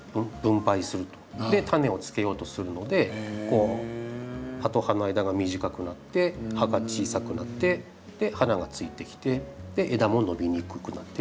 種をつけようとするので葉と葉の間が短くなって葉が小さくなって花がついてきて枝も伸びにくくなってるっていう状態ですね。